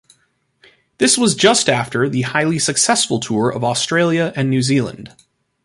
This was just after the highly successful tour of Australia and New Zealand.